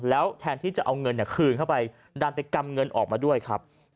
แล้วแทนที่จะเอาเงินคืนเข้าไปดันไปกำเงินออกมาด้วยครับ